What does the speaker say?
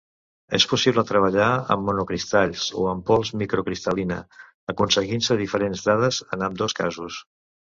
És possible treballar amb monocristalls o amb pols microcristal·lina, aconseguint-se diferents dades en ambdós casos.